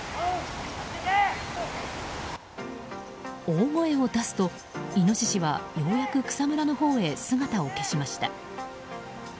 大声を出すと、イノシシはようやく草むらのほうへ姿を消しました。